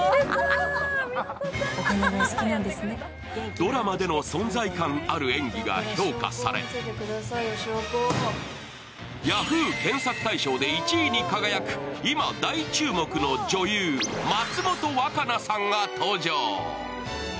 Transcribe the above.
ドラマでの存在感ある演技が評価されＹａｈｏｏ！検索大賞で１位に輝く今大注目の女優・松本若菜さんが登場。